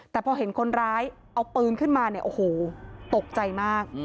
แต่พอเห็นคนร้ายเอาปืนขึ้นมาตกใจมาก